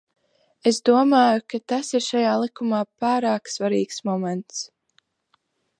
Es domāju, ka tas ir šajā likumā pārāk svarīgs moments.